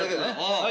はい！